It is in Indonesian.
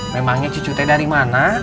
memangnya cucu teh dari mana